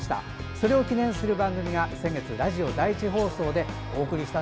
それを記念する番組が先月ラジオ第１で放送しました。